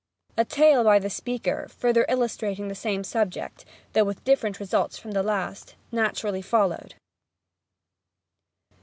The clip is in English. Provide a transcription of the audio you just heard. A tale by the speaker, further illustrating the same subject, though with different results from the last, naturally followed.